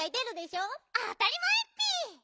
あたりまえッピ！